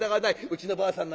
うちのばあさん